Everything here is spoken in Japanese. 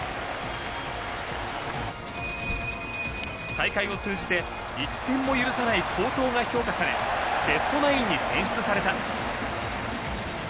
大会を通じて１点も許さない好投が評価されベストナインに選出された。